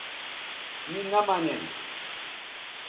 می نہ منین